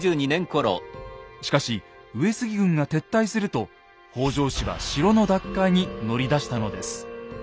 しかし上杉軍が撤退すると北条氏は城の奪回に乗り出したのです。